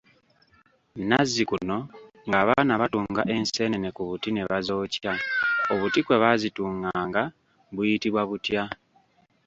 Nazzikuno ng'abaana batunga enseenene ku buti ne bazookya, obuti kwe baazitunganga buyitibwa butya?